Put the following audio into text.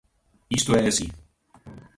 ¡Isto é así!